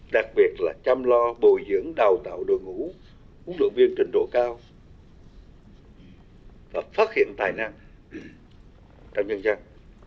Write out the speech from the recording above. đặc biệt là chăm lo bồi dưỡng đào tạo đội ngũ huấn luyện viên trình độ cao và phát hiện tài năng trong nhân dân